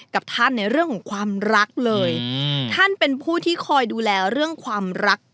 กับท่านในเรื่องของความรักเลยท่านเป็นผู้ที่คอยดูแลเรื่องความรัก